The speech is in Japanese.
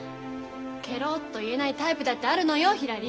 ケロッと言えないタイプだってあるのよひらり。